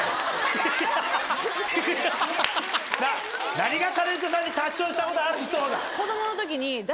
何がタレントさんに「立ちションしたことある人？」